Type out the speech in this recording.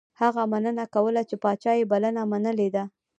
هغه مننه کوله چې پاچا یې بلنه منلې ده.